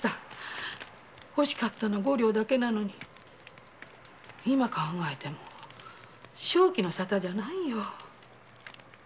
欲しかったのは五両なのに今考えても正気のさたじゃないよ。